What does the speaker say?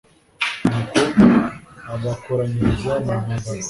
ni uko abakoranyirize mu ntambara